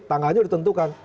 tanggalnya sudah ditentukan